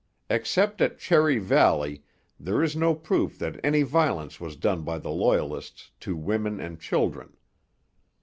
Except at Cherry Valley, there is no proof that any violence was done by the Loyalists to women and children.